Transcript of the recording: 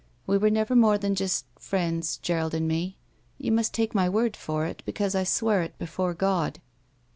We were never more than just — ^friends — Gerald and me. You must take my word for it, because I swear it before God."